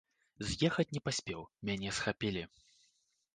З'ехаць не паспеў, мяне схапілі.